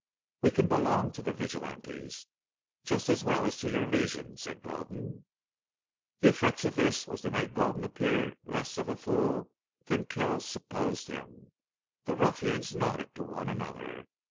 "We can belong to the vigilantes, just as well as to your Legion," said Gulden. The effect of this was to make Gulden appear less of a fool than Kells supposed him. The ruffians nodded to one another.